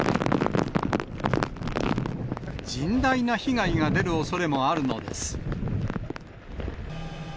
甚大な被害が出るおそれもあるのです。